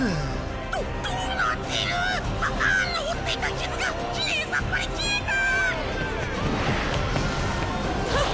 どどうなってる⁉バーンの負っていた傷がきれいさっぱり消えた！はっ！